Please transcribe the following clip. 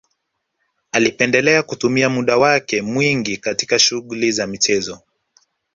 Alipendelea kutumia muda wake mwingi katika shughuli za michezo